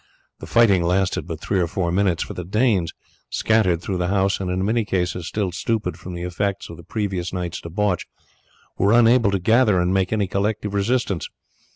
The fight lasted but three or four minutes, for the Danes, scattered through the house, and in many cases still stupid from the effects of the previous night's debauch, were unable to gather and make any collective resistance.